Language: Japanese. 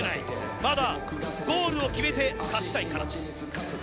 まだゴールを決めて勝ちたいから。